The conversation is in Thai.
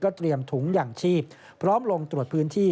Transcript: เตรียมถุงอย่างชีพพร้อมลงตรวจพื้นที่